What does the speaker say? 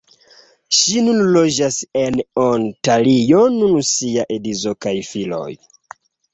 Ŝi nune loĝas en Ontario lun sia edzo kaj filoj.